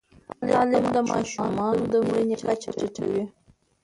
تعلیم د ماشومانو د مړینې کچه ټیټوي.